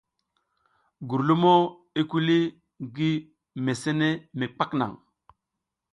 Gurlumo i kuli ngi mesene mi kwak naŋ.